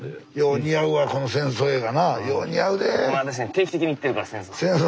定期的に行ってるから戦争。